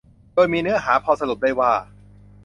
โดยมีเนื้อหาพอสรุปได้ว่า